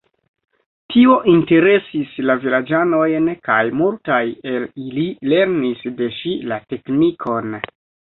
Tio interesis la vilaĝanojn, kaj multaj el ili lernis de ŝi la teknikon.